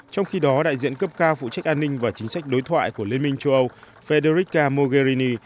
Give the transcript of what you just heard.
trong khi đó đại diện cấp cao phụ trách an ninh và chính sách đối thoại của liên minh châu âu federica mogherini